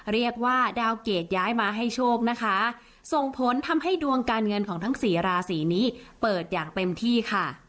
เรียกว่าดาวเกรดย้ายมาให้โชคนะคะส่งผลทำให้ดวงการเงินของทั้งสี่ราศีนี้เปิดอย่างเต็มที่ค่ะ